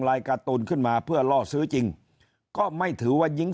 การ์ตูนขึ้นมาเพื่อล่อซื้อจริงก็ไม่ถือว่ายิง